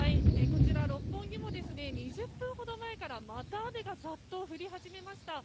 こちら、六本木も２０分ほど前からまた雨がざっと降り始めました。